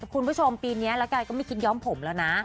คุณผู้ชมปีนี้แล้วกันก็ไม่คิดย้อมผมแล้วนะ